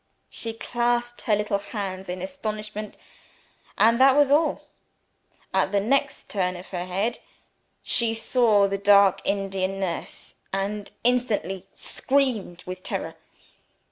She clasped her little hands in astonishment, and that was all. At the next turn of her head, she saw the dark Indian nurse and instantly screamed with terror.